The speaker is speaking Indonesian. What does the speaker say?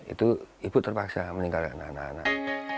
itu ibu terpaksa meninggalkan anak anak